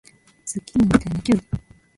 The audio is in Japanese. ズッキーニみたいなきゅうり